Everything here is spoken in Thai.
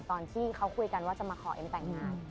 ตอนที่เขาคุยกันว่าจะมาขอเอ็มแต่งงาน